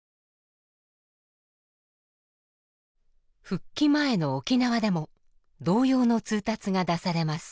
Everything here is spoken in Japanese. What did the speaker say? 復帰前の沖縄でも同様の通達が出されます。